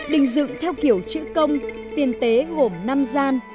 đình dựng theo kiểu chữ công tiền tế gồm năm gian